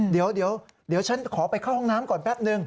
เดี๋ยวฉันขอไปเข้าห้องน้ำก่อนแป๊บนึง